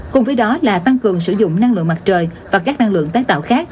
cùng với đó là tăng cường sử dụng năng lượng mặt trời và các năng lượng tái tạo khác